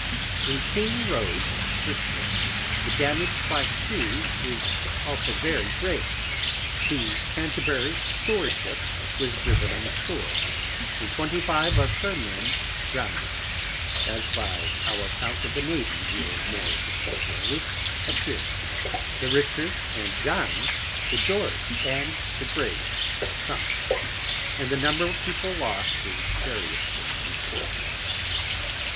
In King Road at Bristol, the Damage by Sea is also very great; the Canterbury store Ship was driven on Shoar, and twenty five of her Men drown'd, as by our account of the Navy will more particularly appear, the Richard and John, the George, and the Grace sunk, and the number of People lost is variously reported.